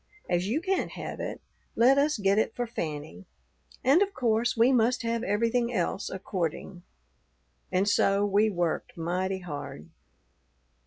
As you can't have it, let us get it for Fanny; and of course we must have everything else according.' And so we worked mighty hard.